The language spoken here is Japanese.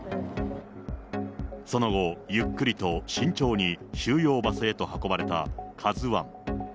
その後、ゆっくりと慎重に収容場所へと運ばれたＫＡＺＵＩ。